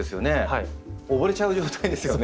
溺れちゃう状態ですよね。